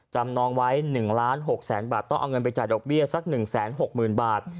จำนองไว้๑๖๐๐๐๐๐บาทต้องเอาเงินไปจ่ายดอกเบี้ยสัก๑๖๐๐๐๐บาท